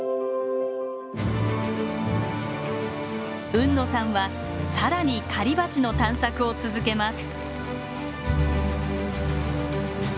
海野さんは更に狩りバチの探索を続けます。